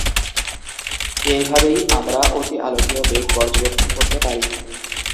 এভাবেই আমরা অতিআলোকীয় বেগ পর্যবেক্ষণ করতে পারি।